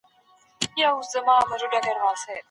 د بالاحصار وضعیت نور هم ګډوډ شو.